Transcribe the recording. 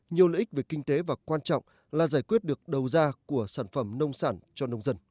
nhiều lợi ích về kinh tế và quan trọng là giải quyết được đầu ra của sản phẩm nông sản cho nông dân